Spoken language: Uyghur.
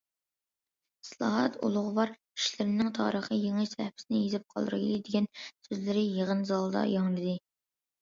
ئىسلاھات ئۇلۇغۋار ئىشلىرىنىڭ تارىخى يېڭى سەھىپىسىنى يېزىپ قالدۇرايلى دېگەن سۆزلىرى يىغىن زالىدا ياڭرىدى.